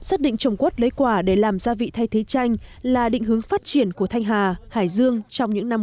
xác định trồng quất lấy quả để làm gia vị thay thế chanh là định hướng phát triển của thanh hà hải dương trong những năm